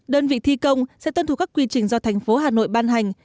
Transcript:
đơn vị thi công sẽ tuân thủ các quy trình do tp hà nội ban hành